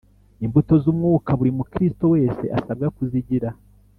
imbuto z umwuka buri mukrisito wese asabwa kuzigira